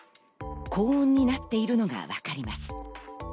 高温になっているのがわかります。